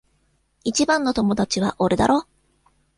一番の友達は俺だろ？